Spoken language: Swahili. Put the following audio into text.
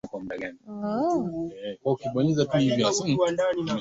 Lakini ni taabu kutambua tangao la wanajeshi lilikusudiwa kwa